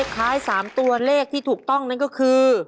คล้าย๓ตัวเลขที่ถูกต้องนั่นก็คือ